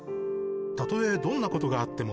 「たとえどんなことがあっても」